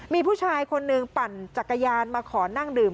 มีผู้ชายคนหนึ่งปั่นจักรยานมาขอนั่งดื่ม